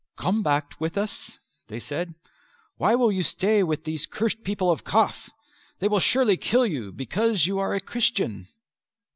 "Come back with us," they said. "Why will you stay with these cursed people of Kaf? They will surely kill you because you are a Christian."